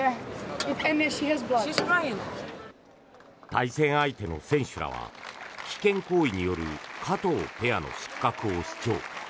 対戦相手の選手らは危険行為による加藤ペアの失格を主張。